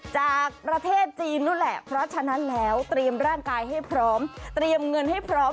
จากประเทศจีนนู้นแหละเพราะฉะนั้นแล้วเตรียมร่างกายให้พร้อมเตรียมเงินให้พร้อม